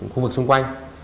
khu vực xung quanh